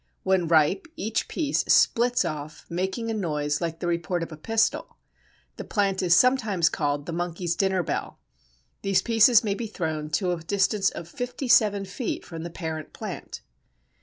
When ripe each piece splits off, making a noise like the report of a pistol. The plant is sometimes called the Monkey's Dinner Bell. These pieces may be thrown to a distance of fifty seven feet from the parent plant.